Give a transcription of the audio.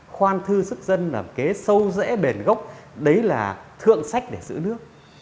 khoan thư sức dân làm kế sâu rẽ bền gốc đấy là thượng sách để giữ nước